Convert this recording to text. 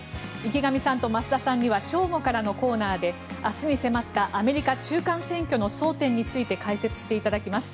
池上さんと増田さんには正午からのコーナーで明日に迫ったアメリカ中間選挙の争点について解説していただきます。